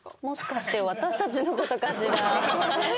もしかして私たちのことかしら？